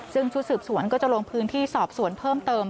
ซึ่งชุดสืบสวนก็จะลงพื้นที่สอบสวนเพิ่มเติม